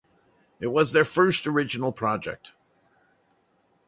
It was their first original project.